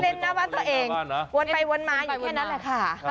หน้าบ้านตัวเองวนไปวนมาอยู่แค่นั้นแหละค่ะ